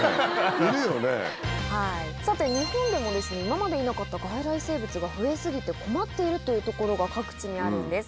さて、日本でも今までいなかった外来生物が増え過ぎて、困っているという所が各地にあるんです。